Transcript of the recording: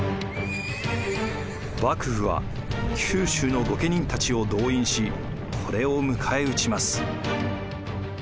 幕府は九州の御家人たちを動員しこれを迎え撃ちます。